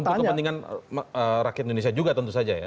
untuk kepentingan rakyat indonesia juga tentu saja ya